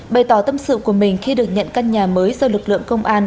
bày tỏ tâm sự của mình khi được nhận căn nhà mới do lực lượng công an